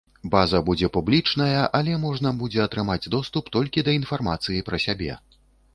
База будзе публічная, але можна будзе атрымаць доступ толькі да інфармацыі пра сябе.